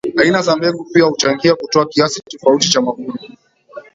Aina za mbegu pia huchangia kutoa kiasi tofauti cha mavuno